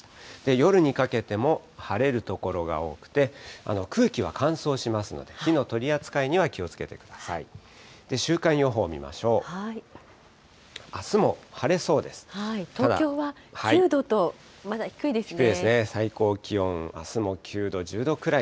夜にかけても晴れる所が多くて、空気は乾燥しますので、火の取り扱いには気をつけてください。